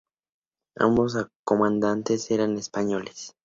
Ambos comandantes eran españoles.